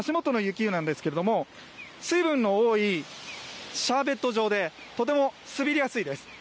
この足元の雪なんですけれども、水分の多いシャーベット状でとても滑りやすいです。